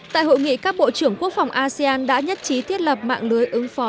tại hội nghị các bộ trưởng quốc phòng asean đã nhất trí thiết lập mạng lưới ứng phó